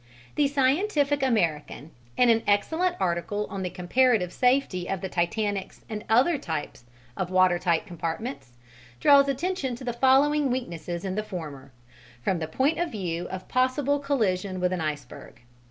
The "Scientific American," in an excellent article on the comparative safety of the Titanic's and other types of water tight compartments, draws attention to the following weaknesses in the former from the point of view of possible collision with an iceberg.